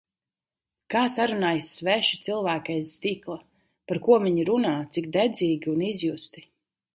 Kā sarunājas sveši cilvēki aiz stikla. Par ko viņi runā, cik dedzīgi un izjusti.